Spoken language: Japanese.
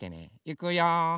いくよ。